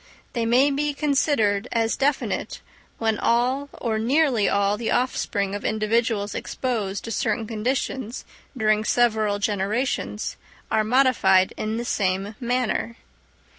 They may be considered as definite when all or nearly all the offspring of individuals exposed to certain conditions during several generations are modified in the same manner.